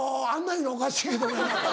言うのおかしいけど。